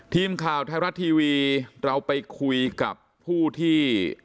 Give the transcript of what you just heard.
ทีมข่าวไทยรัฐทีวีเราไปคุยกับผู้ที่